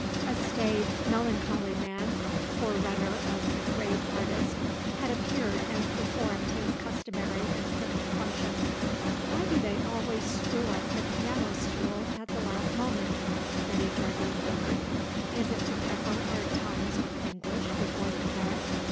A staid, melancholy man, forerunner of the great artist, had appeared and performed his customary and cryptic function. "Why do they always screw up the piano stool at the last moment!" Betty Jardine murmured. "Is it to pepper our tongues with anguish before the claret?